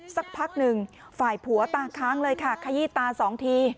สักพักหนึ่งฝ่ายผัวตาค้างเลยค่ะขยี้ตาสองที